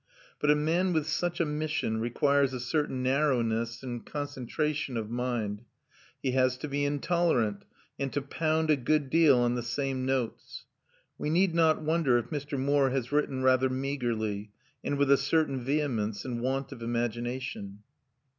But a man with such a mission requires a certain narrowness and concentration of mind; he has to be intolerant and to pound a good deal on the same notes. We need not wonder if Mr. Moore has written rather meagerly, and with a certain vehemence and want of imagination.